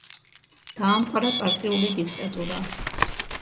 დაამყარა პარტიული დიქტატურა.